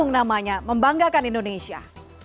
yang namanya membanggakan indonesia